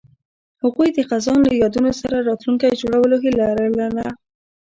هغوی د خزان له یادونو سره راتلونکی جوړولو هیله لرله.